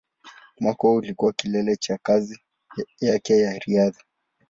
Mwaka huo ulikuwa kilele cha kazi yake ya riadha.